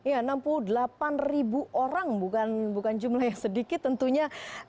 ya enam puluh delapan ribu orang bukan jumlah yang sedikit tentunya